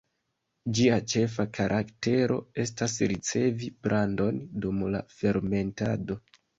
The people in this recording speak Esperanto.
Ĝia ĉefa karaktero estas ricevi brandon dum la fermentado.